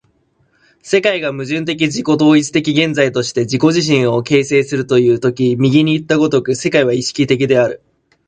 世界が矛盾的自己同一的現在として自己自身を形成するという時右にいった如く世界は意識的である。